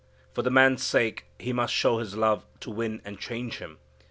For the man's sake He must show His love to win and change him.